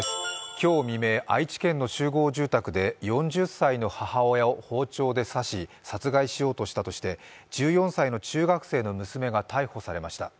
今日未明、愛知県の集合住宅で４０歳の母親を包丁で刺し殺害しようとしたとして１４歳の中学生の娘が逮捕されました。